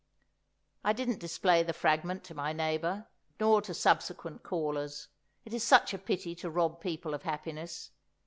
I didn't display the fragment to my neighbour, nor to subsequent callers; it is such a pity to rob people of happiness.